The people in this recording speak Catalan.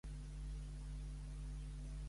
Amb quin altra divinitat se sol associar?